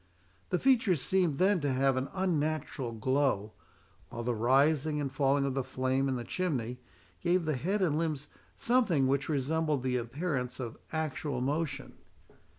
The features seemed then to have an unnatural glow, while the rising and falling of the flame in the chimney gave the head and limbs something which resembled the appearance of actual motion.